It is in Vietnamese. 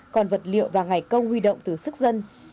còn vật liệu và ngày công huy động từ sức dân